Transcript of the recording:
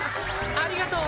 ありがとう！